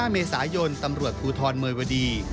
๕เมษายนตำรวจภูทรเมยวดี